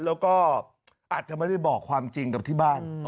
แล้วก็อาจจะไม่ได้บอกความจริงกับที่บ้าน